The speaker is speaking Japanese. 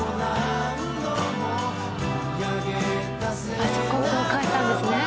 あそこを交換したんですね